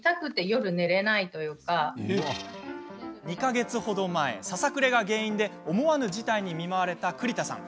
２か月程前、ささくれが原因で思わぬ事態に見舞われた栗田さん。